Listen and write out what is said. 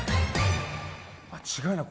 間違いなく○。